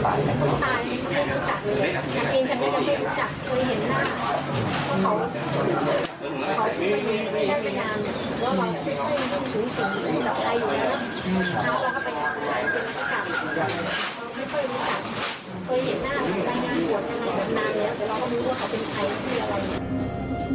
นานนี้เราก็ไม่รู้ว่าเขาเป็นคนชื่ออะไร